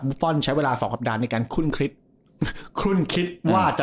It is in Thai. ฟอลใช้เวลาสองสัปดาห์ในการคุ้นคิดคุ้นคิดว่าจะ